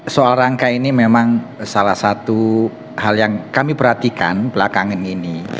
soal rangka ini memang salah satu hal yang kami perhatikan belakangan ini